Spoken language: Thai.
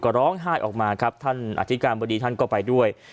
ก็ร้องไห้ออกมาครับท่านอธิการบดีท่านก็ไปด้วย